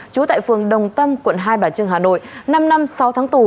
trú tại phường đồng tâm quận hai bà trưng hà nội năm năm sáu tháng tù